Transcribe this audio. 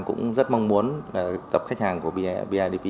cũng rất mong muốn tập khách hàng của bidv